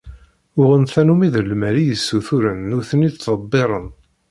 Uɣen tannumi d lmal i yessuturen nutni ttḍebbiren.